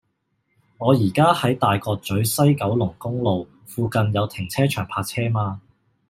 我依家喺大角咀西九龍公路，附近有停車場泊車嗎